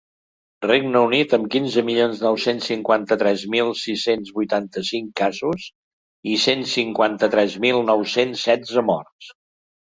Regne Unit, amb quinze milions nou-cents cinquanta-tres mil sis-cents vuitanta-cinc casos i cent cinquanta-tres mil nou-cents setze morts.